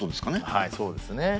はいそうですね。